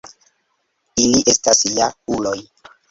Ili estas ja-uloj